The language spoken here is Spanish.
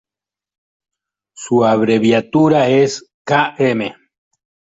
Su abreviatura es km.